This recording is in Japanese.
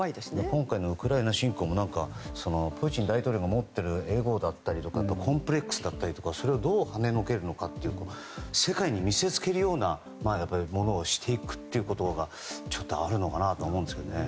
今回のウクライナ侵攻もプーチン大統領の持ってるエゴだったりコンプレックスだったりそれを、どうはねのけるのか世界に見せつけるようなものをしていくということがちょっとあるのかなと思いますね。